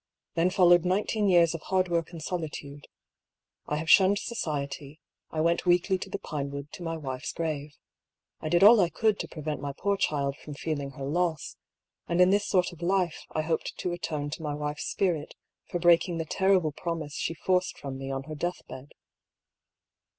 Then followed nineteen years of hard work and solitude. I have shunned society; I went weekly to the Pinewood, to my wife's grave. I did all I could to prevent my poor child from feeling her loss ; and in this sort of life I hoped to atone to A QUESTIONABLE DOCTRINE. 245 my wife's spirit for breaking the terrible promise she forced from me on her deathbed.